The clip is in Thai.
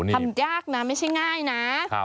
ทำยากนะไม่ใช่ง่ายนะ